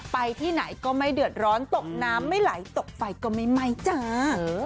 ไปที่ไหนก็ไม่เดือดร้อนตกน้ำไม่ไหลตกไฟก็ไม่ไหม้จ้า